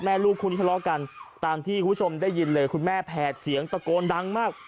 ลูกคุณทะเลาะกันตามที่คุณผู้ชมได้ยินเลยคุณแม่แผดเสียงตะโกนดังมาก